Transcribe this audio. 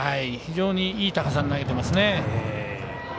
非常にいい高さに投げてます。